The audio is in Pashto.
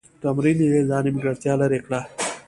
تمرین یې دا نیمګړتیا لیري کړه.